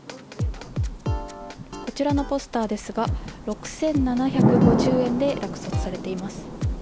こちらのポスターですが６７５０円で落札されています。